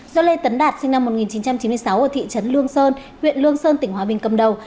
do lê tấn đạt sinh năm một nghìn chín trăm chín mươi sáu ở thị trấn lương sơn huyện lương sơn tỉnh hòa bình cầm đầu